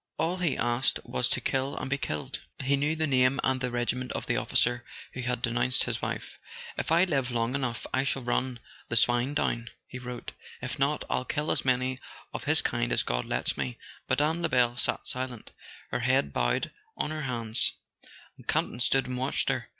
All he asked was to kill and be killed. He knew the name and the regiment of the officer who had denounced his wife. "If I live long enough I shall run the swine down," he wrote. "If not, I'll kill as many of his kind as God lets me." Mme. Lebel sat silent, her head bowed on her hands; and Campton stood and watched her.